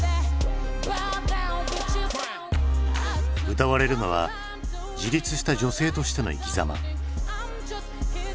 歌われるのは自立した女性としての生きざま。